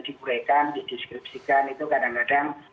dikuraikan dideskripsikan itu kadang kadang